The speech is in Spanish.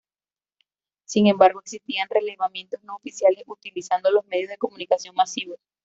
Sin embargo, existían relevamientos no oficiales, utilizando los medios de comunicación masivos.